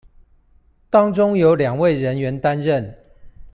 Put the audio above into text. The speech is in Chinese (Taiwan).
當中有兩位人員擔任